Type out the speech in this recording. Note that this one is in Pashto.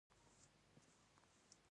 آیا دوی دفترونه او کورونه نه پاکوي؟